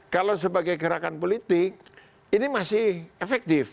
kalau sebagai gerakan politik ini masih efektif